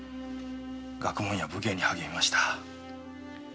学問や武芸に励みました。